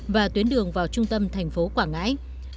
và tuyến đường vào trung tâm thành phố quảng ngãi